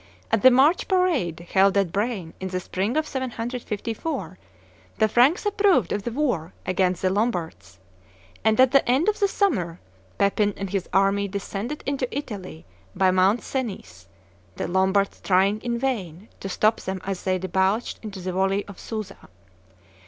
At the March parade held at Braine, in the spring of 754, the Franks approved of the war against the Lombards; and at the end of the summer Pepin and his army descended into Italy by Mount Cenis, the Lombards trying in vain to stop them as they debouched into the valley of Suza.